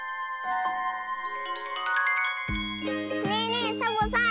ねえねえサボさん